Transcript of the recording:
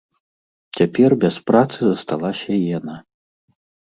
Цяпер без працы засталася і яна.